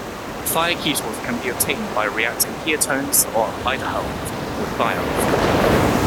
Thioketals can be obtained by reacting ketones or aldehydes with thiols.